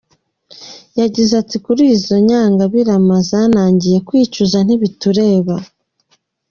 Yagize ati, “Kuri izo nyangabirama, zanangiye kwicuza, ntibitureba.”